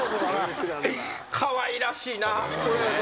かわいらしいな。